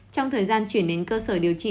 trong thời gian chuyển đến cơ sở điều trị